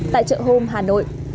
tại chợ hôm hà nội